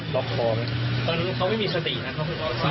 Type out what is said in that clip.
ตอนนี้เขาไม่มีสตินะ